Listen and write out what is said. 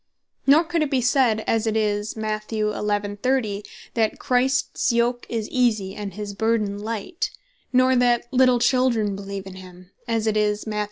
Nor could it bee said (as it is Mat. 11. 30.) that "Christs yoke is Easy, and his burthen Light:" Nor that "Little Children beleeve in him," as it is Matth.